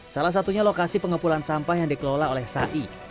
salah satunya lokasi pengepulan sampah yang dikelola oleh sai